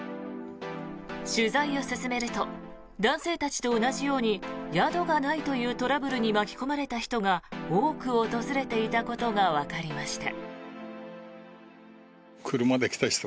取材を進めると男性たちと同じように宿がないというトラブルに巻き込まれた人が多く訪れていたことがわかりました。